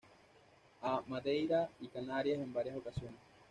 A Madeira y Canarias en varias ocasiones.